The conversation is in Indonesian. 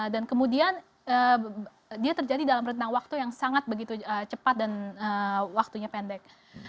dan kemudian dia terjadi dalam rentang waktu yang sangat begitu cepat dan waktunya pendek